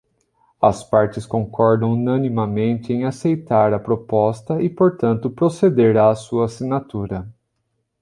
As partes concordam unanimemente em aceitar a proposta e, portanto, proceder à sua assinatura.